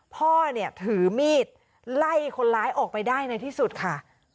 พ่อเนี่ยถือมีดไล่คนร้ายออกไปได้ในที่สุดค่ะ